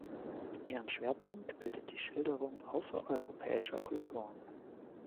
Ihren Schwerpunkt bildet die Schilderung außereuropäischer Kulturen.